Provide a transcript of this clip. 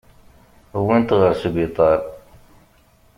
Wwin-t ɣer sbiṭar.